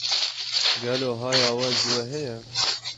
Gelo haya we ji we heye?